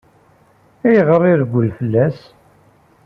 Ayɣer i ireggel fell-as?